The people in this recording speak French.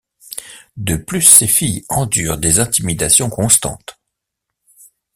De plus, ses filles endurent des intimidations constantes.